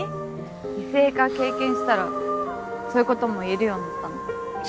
異性化経験したらそういうことも言えるようになったの？